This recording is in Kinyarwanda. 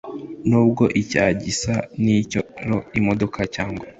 Nubwo Icya gisa n icyoroimodoka cyangwa